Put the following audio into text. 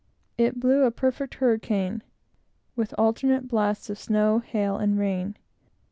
It blew a perfect hurricane, with alternate blasts of snow, hail, and rain.